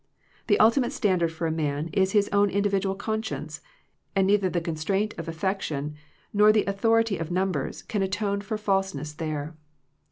The ultimate standard for a man is his own individual conscience, and neithei the constraint of affection, nor the au thority of numbers, can atone for false ness there.